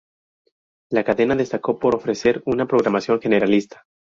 La cadena destacó por ofrecer una programación generalista.